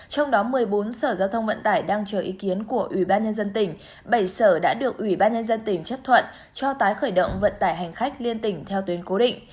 trong đó một mươi bốn sở giao thông vận tải đang chờ ý kiến của ủy ban nhân dân tỉnh bảy sở đã được ủy ban nhân dân tỉnh chấp thuận cho tái khởi động vận tải hành khách liên tỉnh theo tuyến cố định